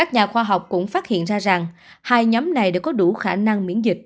nhà khoa học cũng phát hiện ra rằng hai nhóm này đã có đủ khả năng miễn dịch